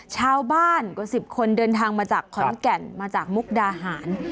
ชาวบ้านกว่า๑๐คนเดินทางมาจากขอนแก่นมาจากมุกดาหาร